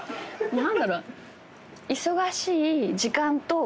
何だろう？